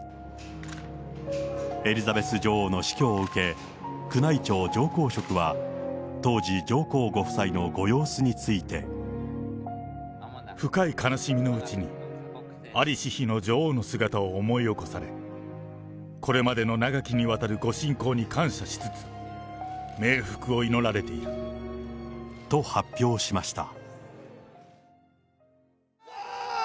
エリザベス女王の死去を受け、宮内庁上皇職は当時、上皇ご夫妻のご様子について。深い悲しみのうちに、在りし日の女王の姿を思い起こされ、これまでの長きにわたるご親交に感謝しつつ、と、発表しました。